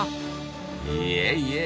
いえいえ。